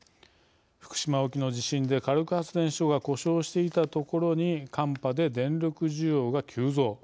福島沖の地震で火力発電所が故障していたところに寒波で電力需要が急増。